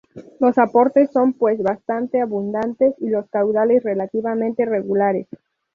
Los aportes son pues bastante abundantes y los caudales relativamente regulares.